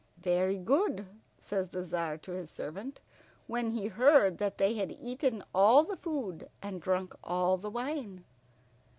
"Very good," says the Tzar to his servant, when he heard that they had eaten all the food and drunk all the wine.